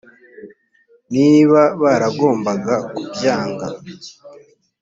niba baragombaga kubyanga